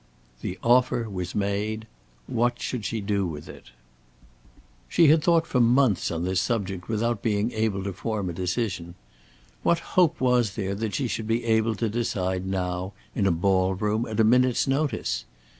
The offer was made. What should she do with it? She had thought for months on this subject without being able to form a decision; what hope was there that she should be able to decide now, in a ball room, at a minute's notice?